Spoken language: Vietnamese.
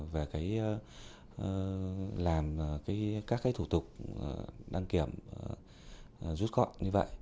về cái làm các cái thủ tục đăng kiểm rút gọn như vậy